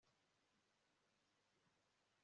rwose, maze nture mu rukundo